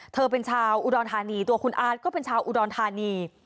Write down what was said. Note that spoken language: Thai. เธอเป็นชาวอุดรธานีตัวคุณอาร์ตก็เป็นชาวอุดรธานี